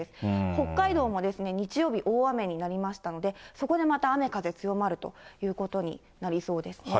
北海道も日曜日大雨になりましたので、そこでまた雨風強まるということになりそうです。